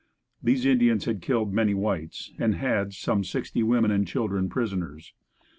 These Indians had killed many whites, and had some sixty women and children, prisoners.